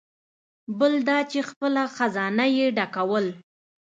بل دا چې خپله خزانه یې ډکول.